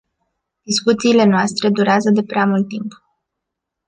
Discuțiile noastre durează de prea mult timp.